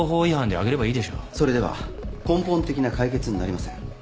それでは根本的な解決になりません。